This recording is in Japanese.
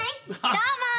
どうも。